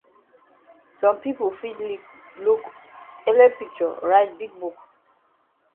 Some pipo fit look ele picture write big book.